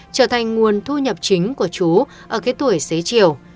trở thành nguồn thu nhập chính của chú ở cái tuổi xế chiều